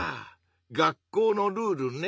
学校のルールね。